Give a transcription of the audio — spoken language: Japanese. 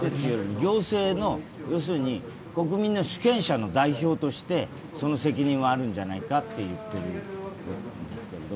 行政の、要するに国民の主権者の代表としてその責任はあるんじゃないかと言っているんですけど